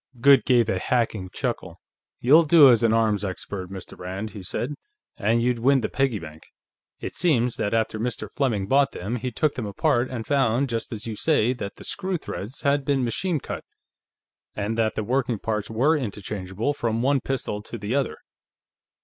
Goode gave a hacking chuckle. "You'll do as an arms expert, Mr. Rand," he said. "And you'd win the piggy bank. It seems that after Mr. Fleming bought them, he took them apart, and found, just as you say, that the screw threads had been machine cut, and that the working parts were interchangeable from one pistol to the other.